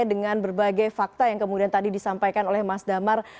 dengan berbagai fakta yang kemudian tadi disampaikan oleh mas damar